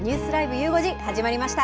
ゆう５時、始まりました。